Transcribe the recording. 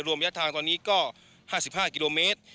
ระยะทางตอนนี้ก็๕๕กิโลเมตร